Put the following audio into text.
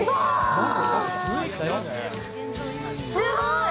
すごい。